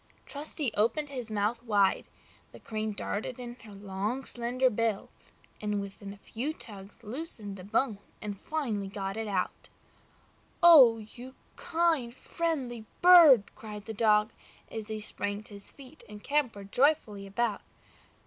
Trusty opened his mouth wide; the Crane darted in her long, slender bill, and with a few good tugs loosened the bone and finally got it out. "Oh! you kind, friendly bird!" cried the Dog, as he sprang to his feet and capered joyfully about.